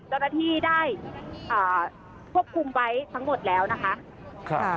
เจ้าหน้าที่ได้ควบคุมไว้ทั้งหมดแล้วนะคะ